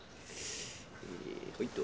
えほいと」。